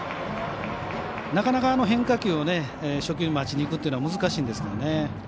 なかなか変化球を初球に合わせにいくというのは難しいんですけどね。